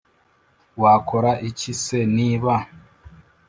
Wakora iki se niba